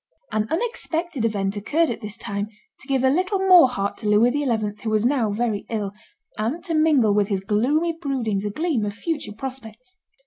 An unexpected event occurred at this time to give a little more heart to Louis XI., who was now very ill, and to mingle with his gloomy broodings a gleam of future prospects.